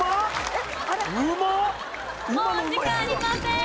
もうお時間ありません。